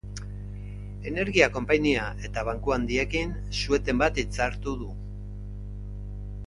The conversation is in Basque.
Energia konpainia eta banku handiekin su-eten bat hitzartu du.